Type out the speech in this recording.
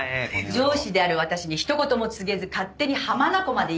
上司である私にひと言も告げず勝手に浜名湖まで行くとは。